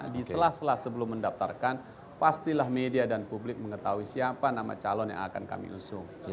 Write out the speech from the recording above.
di sela sela sebelum mendaftarkan pastilah media dan publik mengetahui siapa nama calon yang akan kami usung